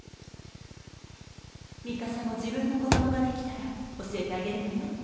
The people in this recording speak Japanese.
ミカサも自分の子どもができたら教えてあげるのよ。